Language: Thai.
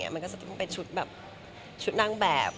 มันก็จะเป็นชุดนั่งแบบ